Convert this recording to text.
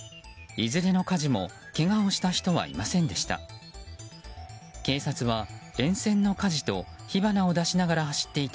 いずれの火事もけがをした人はいませんでした。